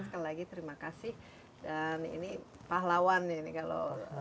sekali lagi terima kasih dan ini pahlawan ya ini kalau